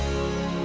boleh aku ikut